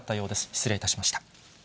失礼いたしました。